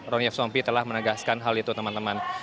ronif sompi telah menegaskan hal itu teman teman